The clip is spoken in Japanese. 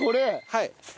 はい。